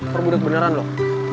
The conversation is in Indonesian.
perbudak beneran loh